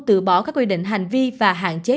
từ bỏ các quy định hành vi và hạn chế